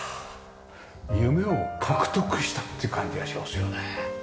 夢を獲得したっていう感じがしますよね。